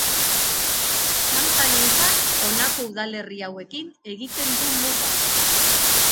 Santa Ninfak honako udalerri hauekin egiten du muga.